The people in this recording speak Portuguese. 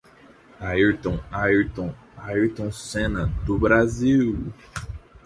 Ayrton, Ayrton... Ayrton Senna, do Brasil!!!